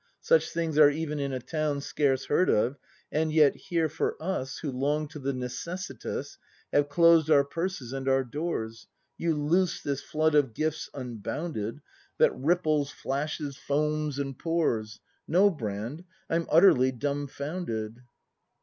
Such things are even in a Town Scarce heard of, — and yet here, for us. Who long to the necessitous Have closed our purses and our doors, You loose this flood of gifts unbounded That ripples, flashes, foams and pours —.— No, Brand, I'm utterly dumbfounded!